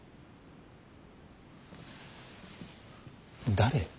誰？